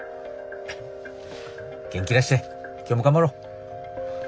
元気出して今日も頑張ろう。